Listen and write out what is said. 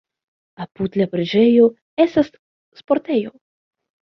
Apud la preĝejo estas sportejo.